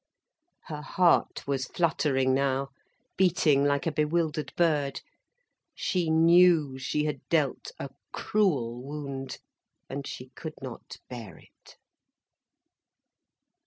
Her heart was fluttering now, beating like a bewildered bird. She knew she had dealt a cruel wound, and she could not bear it.